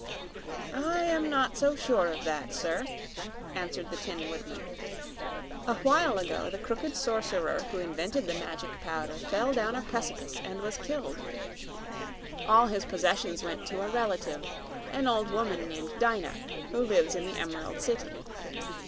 "I am not so sure of that, sir," answered the Tin Woodman. "A while ago the crooked Sorcerer who invented the Magic Powder fell down a precipice and was killed. All his possessions went to a relative an old woman named Dyna, who lives in the Emerald City.